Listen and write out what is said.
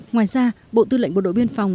ngoài ra bộ tư lệnh bộ đội biên phòng